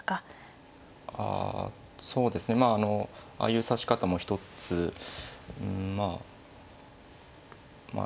あそうですねまああのああいう指し方も一つうんまあまあ